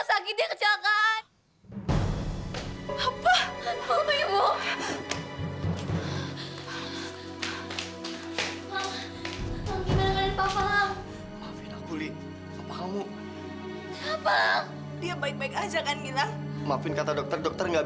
sampai jumpa di video selanjutnya